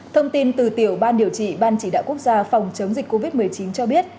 thông tin từ tiểu ban điều trị ban chỉ đạo quốc gia phòng chống dịch covid một mươi chín cho biết